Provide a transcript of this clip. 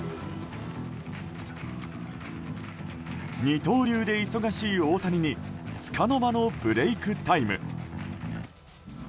二刀流で忙しい大谷につかの間のブレークタイム。